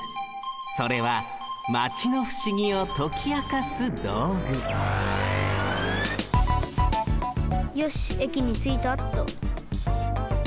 それはマチのふしぎをときあかすどうぐよしえきについたっと。